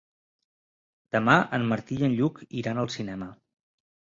Demà en Martí i en Lluc iran al cinema.